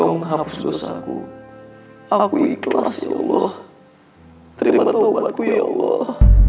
alhamdulillah suami aku ikhlas ya allah terima tobatku ya allah